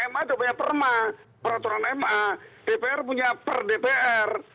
ma itu punya perma peraturan ma dpr punya perdpr